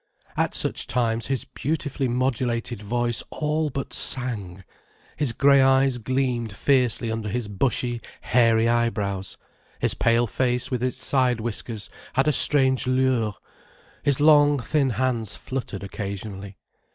At such times his beautifully modulated voice all but sang, his grey eyes gleamed fiercely under his bushy, hairy eyebrows, his pale face with its side whiskers had a strange lueur, his long thin hands fluttered occasionally.